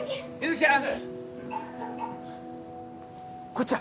こっちだ！